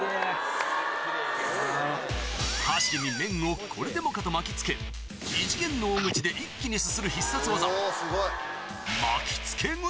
箸に麺をこれでもかと巻きつけ、異次元の大口で一気にすする必殺技、巻きつけ食い。